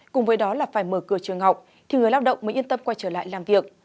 cùng với đó là phải mở cửa trường học thì người lao động mới yên tâm quay trở lại làm việc